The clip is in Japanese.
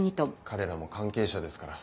彼らも関係者ですから。